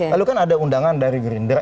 lalu kan ada undangan dari gerindra